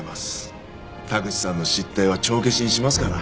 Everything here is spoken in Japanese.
田口さんの失態は帳消しにしますから。